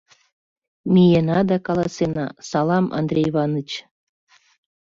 — Миена да каласена: «Салам, Андрей Иваныч.